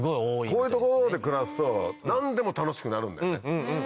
こういう所で暮らすと何でも楽しくなるんだよね。